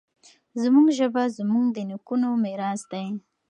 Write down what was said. زموږ ژبه زموږ د نیکونو میراث دی.